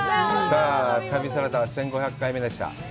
さあ、旅サラダ、１５００回目でした。